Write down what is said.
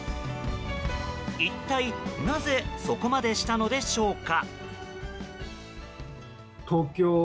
一体なぜそこまでしたのでしょうか。